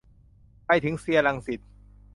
ไปถึงเซียร์รังสิต